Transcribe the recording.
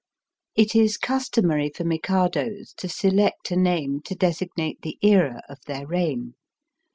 It is customary for Mikados to select a name to designate the era of their reign.